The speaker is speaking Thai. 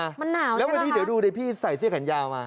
มันหนาวแล้ววันนี้เดี๋ยวดูดิพี่ใส่เสื้อแขนยาวมา